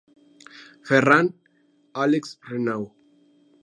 Ferran: Àlex Renau.